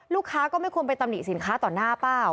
ก็ไม่ควรไปตำหนิสินค้าต่อหน้าเปล่า